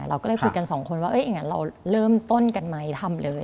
เราก็เลยคุยกันสองคนว่าอย่างนั้นเราเริ่มต้นกันไหมทำเลย